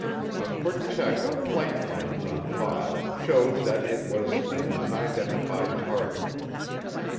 A quick check of flight plans on file showed that it was an unidentified target.